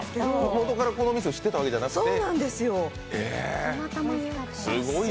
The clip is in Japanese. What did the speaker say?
もとからこの店を知ってたわけじゃなくて？